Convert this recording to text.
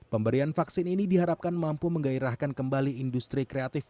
pemberian vaksin ini diharapkan mampu menggairahkan kembali industri kreatif